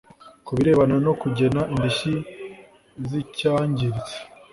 Ku birebana no kugena indishyi z’icyangiritse